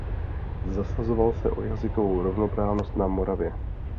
Zasazoval se o jazykovou rovnoprávnost na Moravě.